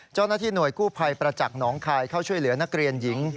เจ้าหน้าที่หน่วยกู้ภัยประจักษ์หนองคายเข้าช่วยเหลือนักเรียนหญิง